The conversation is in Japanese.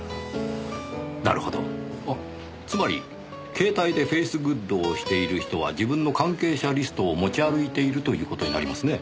なるほどつまり携帯でフェイスグッドをしている人は自分の関係者リストを持ち歩いているという事になりますね。